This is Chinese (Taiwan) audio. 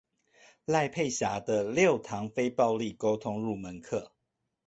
賴佩霞的六堂非暴力溝通入門課